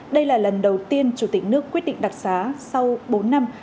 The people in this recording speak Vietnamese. đây là lần đầu tiên chủ tịch nước quyết định đặc xá sau bốn năm